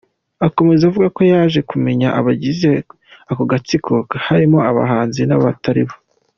Akomeza avuga ko yaje kumenya abagize ako gatsiko barimo abahanzi n’abataribo.